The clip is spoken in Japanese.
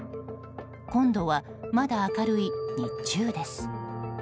今度は、まだ明るい日中です。